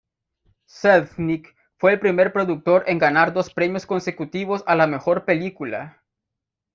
Selznick fue el primer productor en ganar dos premios consecutivos a la mejor película.